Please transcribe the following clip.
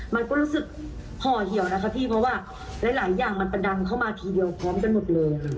มันก็รู้สึกห่อเหี่ยวนะคะพี่เพราะว่าหลายอย่างมันประดังเข้ามาทีเดียวพร้อมกันหมดเลย